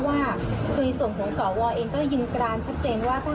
แม้ว่าเพื่อไทยจะเสนอคุณเสียข่าว